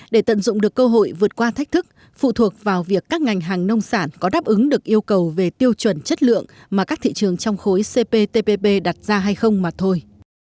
để tận dụng được cơ hội vượt qua thách thức phụ thuộc vào việc các ngành hàng nông sản có đáp ứng được yêu cầu về tiêu chuẩn chất lượng mà các thị trường trong khối cptpp đặt ra hay không mà thôi